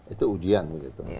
itu ujian begitu